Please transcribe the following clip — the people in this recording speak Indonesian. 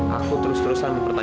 aku sama sekali gak tahu